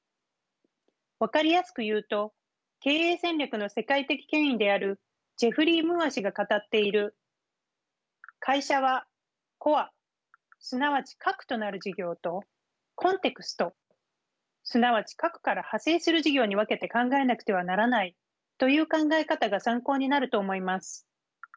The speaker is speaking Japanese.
分かりやすく言うと経営戦略の世界的権威であるジェフリー・ムーア氏が語っている「会社はコアすなわち核となる事業とコンテクストすなわち核から派生する事業に分けて考えなくてはならない」という考え方が参考になると思います。